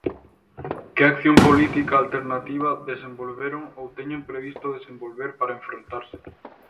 ¿Que acción política alternativa desenvolveron ou teñen previsto desenvolver para enfrontarse?